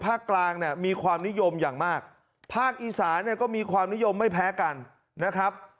กลางเนี่ยมีความนิยมอย่างมากภาคอีสานเนี่ยก็มีความนิยมไม่แพ้กันนะครับ